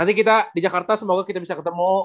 nanti kita di jakarta semoga kita bisa ketemu